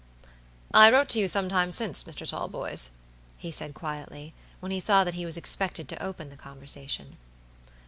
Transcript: "I wrote to you some time since, Mr. Talboys," he said quietly, when he saw that he was expected to open the conversation.